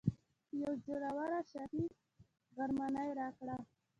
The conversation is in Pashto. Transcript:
یوه زوروره شاهي غرمنۍ راکړه.